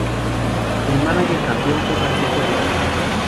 El mánager campeón fue Francisco Rivera.